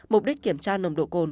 mục đích kiểm tra nồng độ cồn